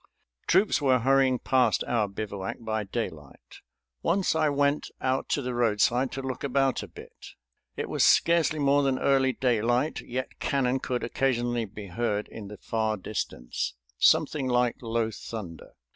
Troops were hurrying past our bivouac by daylight. Once I went out to the roadside to look about a bit. It was scarcely more than early daylight, yet cannon could occasionally be heard in the far distance, something like low thunder.